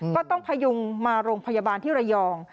ก็ต้องพยุงมาโรงพยาบาลที่ระยอง